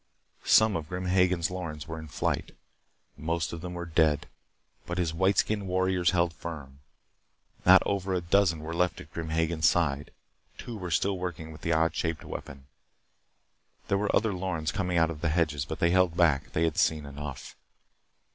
Some of Grim Hagen's Lorens were in flight. Most of them were dead. But his white skinned warriors held firm. Not over a dozen were left at Grim Hagen's side. Two were still working with the odd shaped weapon. There were other Lorens coming out of the hedges, but they held back. They had seen enough.